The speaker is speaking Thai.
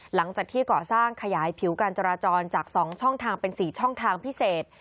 หลังจากที่ก่อสร้างขยายผิวการจราจรจาก๒ช่องทางเป็น๔ช่องทางพิเศษ